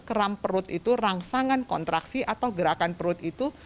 keram perut itu rangsangan kontraksi atau gerakan perut itu